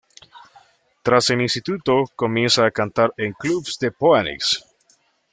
Tras el instituto comienza a cantar en clubs de Phoenix.